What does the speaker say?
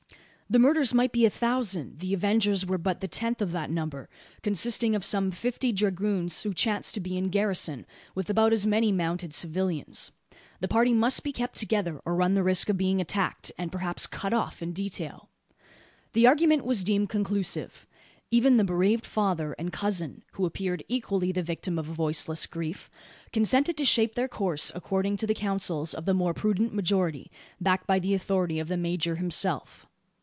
The murderers might be a thousand, the avengers were but the tenth of that number: consisting of some fifty dragoons who chanced to be in garrison, with about as many mounted civilians. The party must be kept together, or run the risk of being attacked, and perhaps cut off, in detail! The argument was deemed conclusive. Even, the bereaved father and cousin, who appeared equally the victim of a voiceless grief consented to shape their course according to the counsels of the more prudent majority, backed by the authority of the major himself.